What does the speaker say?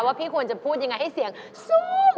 พี่ควรจะพูดยังไงให้เสียงสูง